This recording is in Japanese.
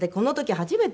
初めて？